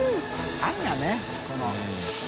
あんがねこの。